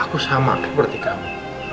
aku sama seperti kamu